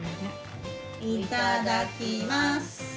いただきます。